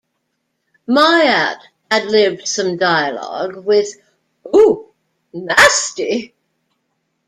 Myatt ad-libbed some dialogue, with Ooh, nasty!